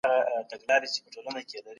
بخښنه د لویو خلکو کار دی.